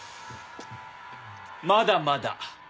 まだまだ。